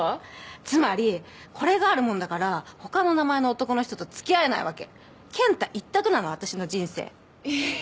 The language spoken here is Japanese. つまりこれがあるもんだからほかの名前の男の人とつきあえないわけ「ケンタ」一択なの私の人生えっ？